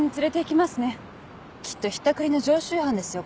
きっとひったくりの常習犯ですよ